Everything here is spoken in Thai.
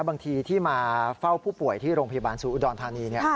บางทีที่มาเฝ้าผู้ป่วยที่โรงพยาบาลศูนย์อุดรธานี